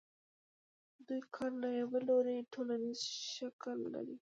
د دوی کار له یوه لوري ټولنیز شکل لري